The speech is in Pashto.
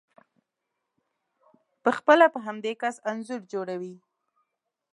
په خپله په همدې کس انځور جوړوئ،